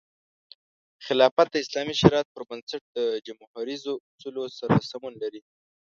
خلافت د اسلامي شریعت پر بنسټ د جموهریزو اصولو سره سمون لري.